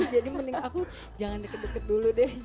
jadi mending aku jangan deket deket dulu deh